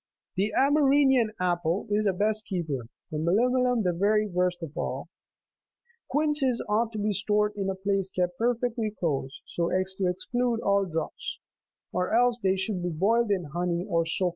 The Amerinian apple is the best keeper, the melimelum the very worst of all. • (17.) Quinces ought to be stored in a place kept perfectly closed, so as to exclude all draughts ; or else they should be boiled in honey 26 or soaked in it.